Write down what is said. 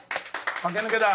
駆け抜けた。